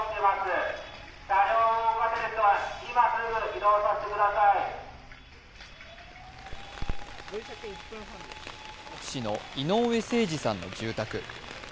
甲府市の井上盛司さんの住宅。